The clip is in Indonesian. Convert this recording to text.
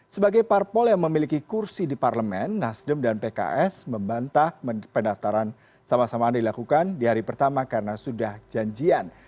sebagai parpol yang memiliki kursi di parlemen nasdem dan pks membantah pendaftaran sama sama anda dilakukan di hari pertama karena sudah janjian